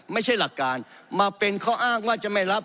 ไม่ใช่หลักการมาเป็นข้ออ้างว่าจะไม่รับ